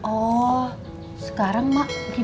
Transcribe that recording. oh sekarang mak gimana perasaan